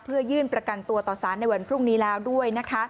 เพื่อยื่นประกันตัวต่อสารในวันพรุ่งนี้แล้วด้วยนะคะ